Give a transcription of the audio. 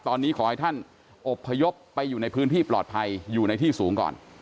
ตอนนี้ขอให้ท่านอบพยพไปอยู่ในพื้นที่ปลอดภัยอยู่ในที่สูงก่อน